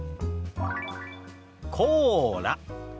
「コーラ」。